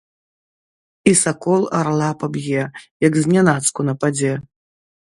І сакол арла паб'е, як знянацку нападзе.